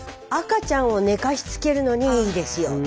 赤ちゃんを寝かしつけるのにいいですよ。